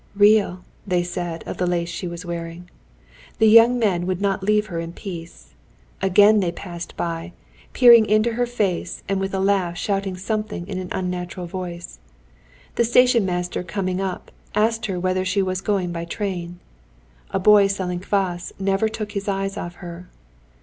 "Real," they said of the lace she was wearing. The young men would not leave her in peace. Again they passed by, peering into her face, and with a laugh shouting something in an unnatural voice. The station master coming up asked her whether she was going by train. A boy selling kvas never took his eyes off her.